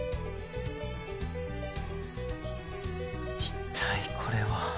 一体これは。